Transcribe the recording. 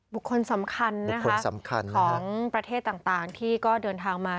บุคคลสำคัญของประเทศต่างที่ก็เดินทางมา